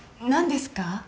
何ですか？